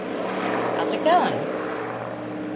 How's it going?